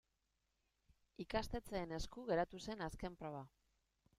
Ikastetxeen esku geratu zen azken proba.